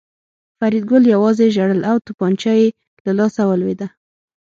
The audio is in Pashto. فریدګل یوازې ژړل او توپانچه یې له لاسه ولوېده